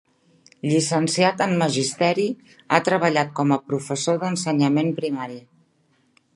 Llicenciat en magisteri, ha treballat com a professor d'ensenyament primari.